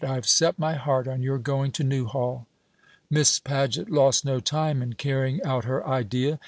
I have set my heart on your going to Newhall." Miss Paget lost no time in carrying out her idea.